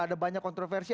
ada banyak kontroversi